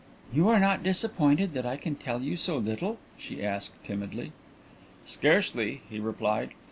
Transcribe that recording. "You are not disappointed that I can tell you so little?" she asked timidly. "Scarcely," he replied.